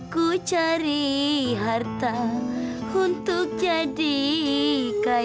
ku cari harta untuk jadi kaya